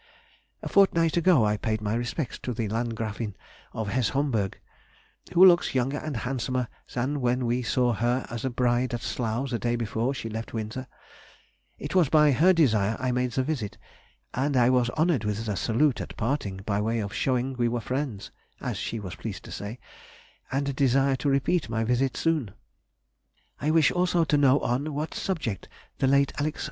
A fortnight ago I paid my respects to the Landgräfin of Hesse Homburg (who looks younger and handsomer than when we saw her as a bride at Slough the day before she left Windsor); it was by her desire I made the visit, and I was honoured with a salute at parting, by way of showing we were friends (as she was pleased to say), and a desire to repeat my visit soon. ... I wish also to know on what subject the late Alex.